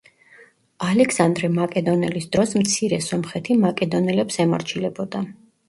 ალექსანდრე მაკედონელის დროს მცირე სომხეთი მაკედონელებს ემორჩილებოდა.